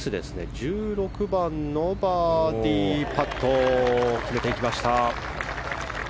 １６番のバーディーパット決めていきました。